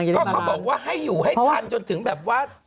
ก็เขาบอกว่าให้อยู่ให้ทันจนถึงแบบว่า